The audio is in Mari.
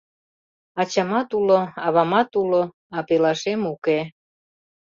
Ачамат уло, авамат уло, а пелашем — уке!